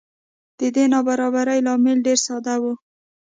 د دې نابرابرۍ لامل ډېره ساده و.